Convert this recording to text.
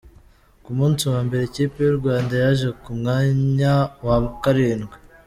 Ku munsi wa mbere ikipe yu Rwanda yaje ku mwanya wa karindwi